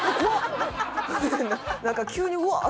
何か急にうわっ！